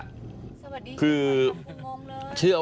ก็ต้องมาถึงจุดตรงนี้ก่อนใช่ไหม